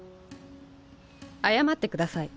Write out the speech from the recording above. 謝ってください。